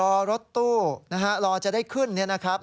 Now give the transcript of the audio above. รอรถตู้นะฮะรอจะได้ขึ้นเนี่ยนะครับ